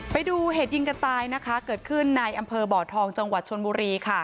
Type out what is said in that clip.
ไปดูเหตุยิงกันตายนะคะเกิดขึ้นในอำเภอบ่อทองจังหวัดชนบุรีค่ะ